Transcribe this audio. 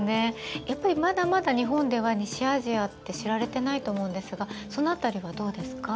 やっぱりまだまだ日本では西アジアって知られてないと思うんですがその辺りはどうですか？